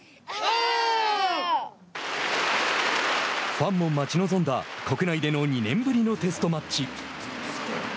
ファンも待ち望んだ国内での２年ぶりのテストマッチ。